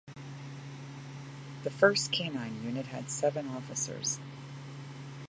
The first canine unit had seven officers.